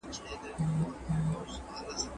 د بامي ګلونو عطر په څپو ده